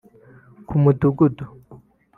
ku mudugudu